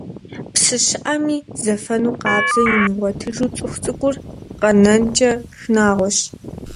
Псы щыӀэми, зэфэну къабзэр имыгъуэтыжу цӀыху цӀыкӀур къэнэнкӀэ шынагъуэщ.